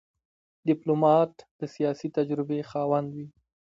ډيپلومات د سیاسي تجربې خاوند وي.